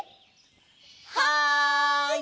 はい！